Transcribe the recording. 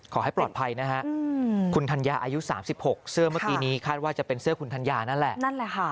ขอให้ปลอดภัยนะฮะคุณธัญญาอายุ๓๖เสื้อเมื่อกี้นี้คาดว่าจะเป็นเสื้อคุณธัญญานั่นแหละนั่นแหละค่ะ